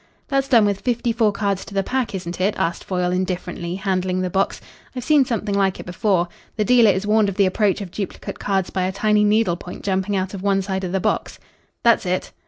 "That's done with fifty four cards to the pack, isn't it?" asked Foyle indifferently, handling the box. "I've seen something like it before. The dealer is warned of the approach of duplicate cards by a tiny needle point jumping out of one side of the box." "That's it."